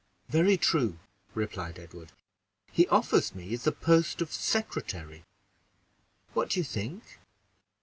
"Very true," replied Edward; "he offers me the post of secretary. What do you think?"